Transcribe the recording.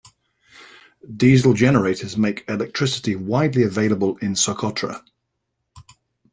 Diesel generators make electricity widely available in Socotra.